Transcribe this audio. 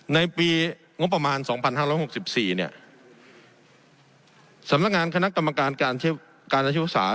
ในปีงบประมาณ๒๕๖๔เนี่ยสำนักงานคณะกรรมการการอายุศาส